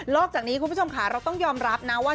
อกจากนี้คุณผู้ชมค่ะเราต้องยอมรับนะว่า